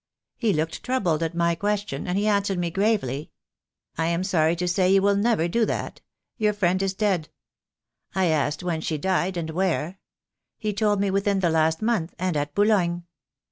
He looked troubled at my question, and he answered me gravely — 'I am sorry to say you will never do that. Your friend is dead.' I asked when she died, and where? He told me within the last month, and at Boulogne.